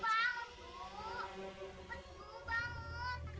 bu bangun bu